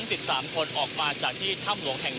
ติดตามการรายงานสดจากคุณทัศนายโค้ดทองค่ะ